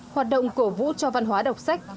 hoạt động cổ vũ cho văn hóa đọc sách